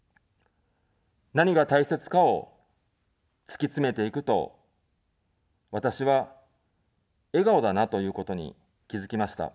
何が大切かを突き詰めていくと、私は、笑顔だなということに気付きました。